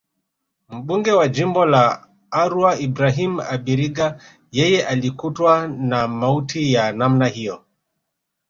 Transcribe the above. Mbunge wa Jimbo la Arua Ibrahim Abiriga yeye alikutwa na mauti ya namna hiyo